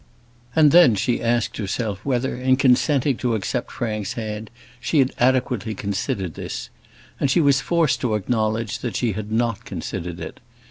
And then she asked herself whether, in consenting to accept Frank's hand, she had adequately considered this; and she was forced to acknowledge that she had not considered it.